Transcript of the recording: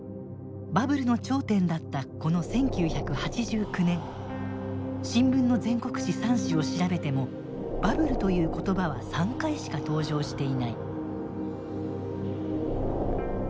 バブルの頂点だったこの１９８９年新聞の全国紙３紙を調べてもバブルという言葉は３回しか登場していない。